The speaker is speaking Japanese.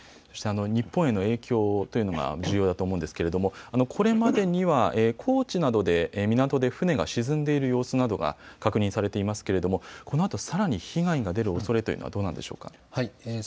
そして日本への影響というのが重要だと思うのですがこれまでに高知などで港で船が沈んでいる様子などが確認されていますけれどもこのあとさらに被害が出るおそれというのはどうなんでしょうか。